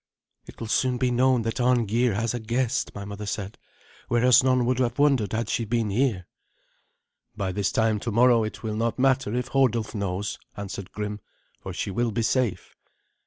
"It will soon be known that Arngeir has a guest," my mother said, "whereas none would have wondered had she been here." "By this time tomorrow it will not matter if Hodulf knows," answered Grim, "for she will be safe."